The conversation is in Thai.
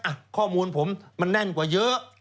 ข้อมูลผมมันแน่นกว่าเยอะ